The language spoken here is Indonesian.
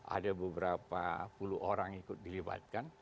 ada beberapa puluh orang ikut dilibatkan